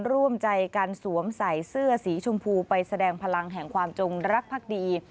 ร่วมใจการสวมใส่เสื้อสีชมพูไปแสดงพลังแห่งความจงรักภักดี